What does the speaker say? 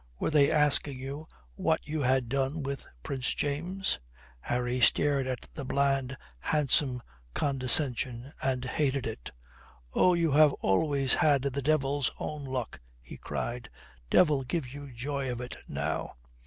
Were they asking you what you had done with Prince James?" Harry stared at the bland, handsome condescension and hated it. "Oh, you have always had the devil's own luck," he cried. "Devil give you joy of it, now."